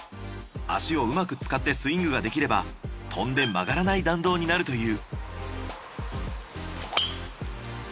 足をうまく使ってスイングができれば飛んで曲がらない弾道になるという。